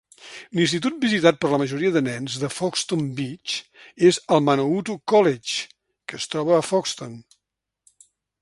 L'Institut visitat per la majoria de nens de Foxton Beach és el Manawatu College, que es troba a Foxton.